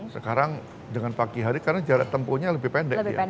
sekarang dengan pagi hari karena jarak tempuhnya lebih pendek dia